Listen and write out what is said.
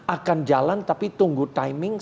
akan jalan tapi tunggu timing